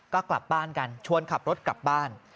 ก็กลับบ้านกันชวนขับรถกลับบ้าน